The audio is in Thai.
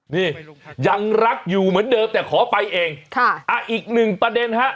นี่ยังรักอยู่เหมือนเดิมแต่ขอไปเองค่ะอ่าอีกหนึ่งประเด็นฮะ